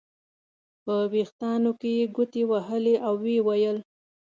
په وریښتانو کې یې ګوتې وهلې او ویې ویل.